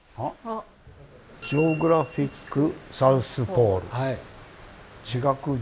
「ジオグラフィック・サウスポール」。